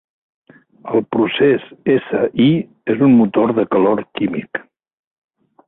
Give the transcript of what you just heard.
El procés S-I és un motor de calor químic.